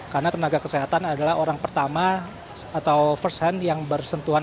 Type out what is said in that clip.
karena tenaga kesehatan adalah orang pertama atau first hand yang bersentuhan